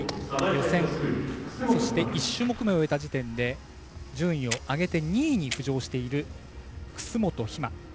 予選、１種目めを終えた時点で順位を上げて２位に浮上している楠元妃真。